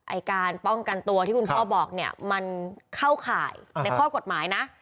ไอ้การป้องกันตัวที่คุณพ่อบอกเนี่ยมันเข้าข่ายในข้อกฎหมายนะ